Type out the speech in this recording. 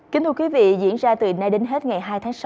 kính thưa quý vị diễn ra từ nay đến hết ngày hai tháng sáu